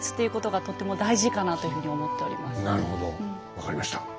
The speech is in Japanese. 分かりました。